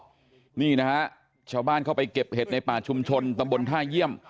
นี่นะฮะชาวบ้านเข้าไปเก็บเห็ดในป่าชุมชนตำบลท่าเยี่ยม